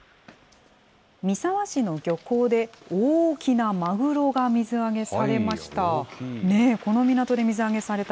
三沢市の漁港で、大きなマグロが水揚げされました。